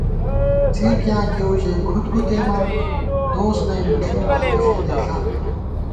څِر کیاں کېئیؤژَئی کھُد گُتېماں ، دوس نئ نُݪی، باتی فېدَئیݪا پېنہ